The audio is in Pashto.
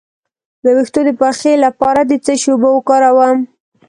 د ویښتو د پخې لپاره د څه شي اوبه وکاروم؟